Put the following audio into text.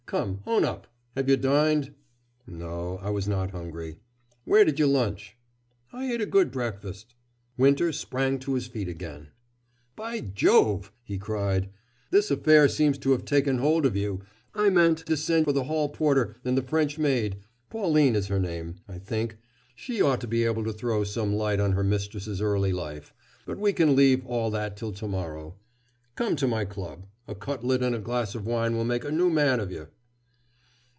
Come, own up. Have you dined?" "No I was not hungry." "Where did you lunch?" "I ate a good breakfast." Winter sprang to his feet again. "By Jove!" he cried, "this affair seems to have taken hold of you I meant to send for the hall porter and the French maid Pauline is her name, I think; she ought to be able to throw some light on her mistress's earlier life but we can leave all that till to morrow. Come to my club. A cutlet and a glass of wine will make a new man of you."